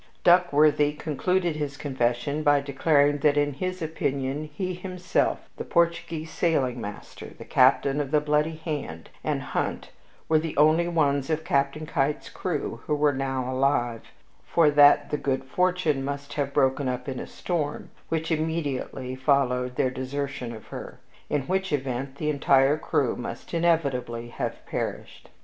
[Illustration: CAPTAIN KEITT] Duckworthy concluded his confession by declaring that in his opinion he himself, the Portuguese sailing master, the captain of The Bloody Hand, and Hunt were the only ones of Captain Keitt's crew who were now alive; for that The Good Fortune must have broken up in a storm, which immediately followed their desertion of her; in which event the entire crew must inevitably have perished.